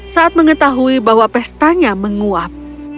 saat mengetahui bahwa pestanya menguap